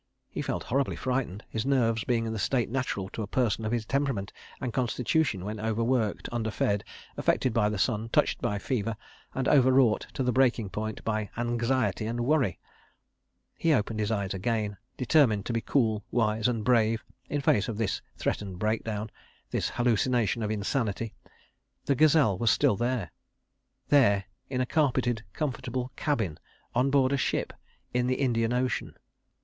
He felt horribly frightened, his nerves being in the state natural to a person of his temperament and constitution when overworked, underfed, affected by the sun, touched by fever, and overwrought to the breaking point by anxiety and worry. He opened his eyes again, determined to be cool, wise and brave, in face of this threatened breakdown, this hallucination of insanity. The gazelle was still there—there in a carpeted, comfortable cabin, on board a ship, in the Indian Ocean. ...